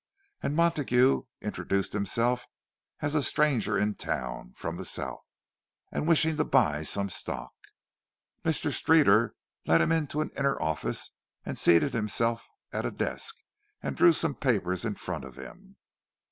And Montague introduced himself as a stranger in town, from the South, and wishing to buy some stock. Mr. Streeter led him into an inner office and seated himself at a desk and drew some papers in front of him.